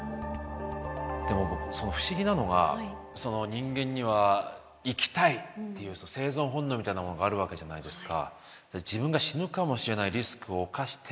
でも不思議なのがその人間には生きたいっていう生存本能みたいなものがあるわけじゃないですか。